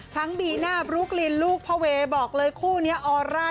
ทั้งบีน่าลูกลินลูกพ่อเวบอกเลยคู่นี้ออร่า